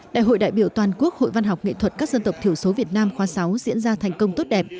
đại hội đại biểu toàn quốc hội văn học nghệ thuật các dân tộc thiểu số việt nam khóa sáu diễn ra thành công tốt đẹp